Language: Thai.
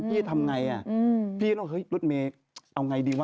พี่ทำอย่างไรพี่ต้องว่าโอ้โฮรถเมย์เอาอย่างไรดีวะ